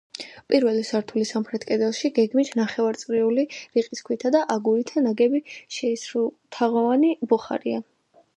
პირველი სართულის სამხრეთ კედელში გეგმით ნახევარწრიული, რიყის ქვითა და აგურითა ნაგები შეისრულთაღოვანი ბუხარია.